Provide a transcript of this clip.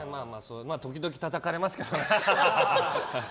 時々たたかれますけどね。